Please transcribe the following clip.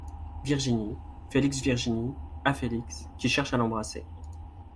Virginie, Félix Virginie , à Félix, qui cherche à l’embrasser.